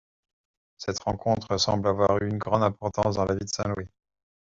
Cette rencontre semble avoir eu une grande importance dans la vie de Saint Louis.